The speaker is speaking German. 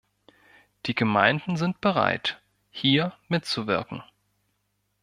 Die Gemeinden sind bereit, hier mitzuwirken.